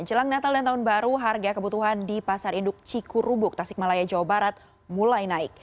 jelang natal dan tahun baru harga kebutuhan di pasar induk cikurubuk tasikmalaya jawa barat mulai naik